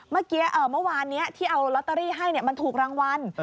เมื่อกี้เมื่อวานที่เอาลอตเตอรี่ให้มันถูกรางวัล